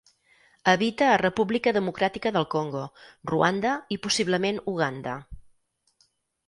Habita a República Democràtica del Congo, Ruanda i possiblement Uganda.